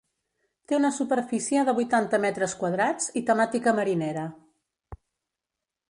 Té una superfície de vuitanta metres quadrats i temàtica marinera.